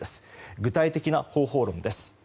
具体的な方法論です。